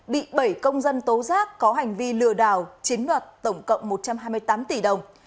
bị bảy công dân tố giác có hành vi lừa đảo chiến đoạt tổng cộng một trăm hai mươi tám tỷ đồng